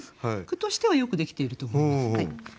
句としてはよくできていると思います。